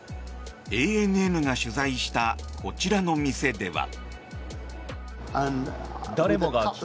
ＡＮＮが取材したこちらの店では。